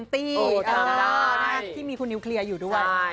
ที่มีคุณนิวเคลียร์อยู่ด้วย